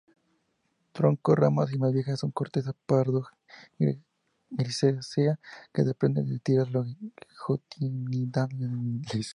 Tronco y ramas más viejas con corteza pardo-grisácea, que se desprende en tiras longitudinales.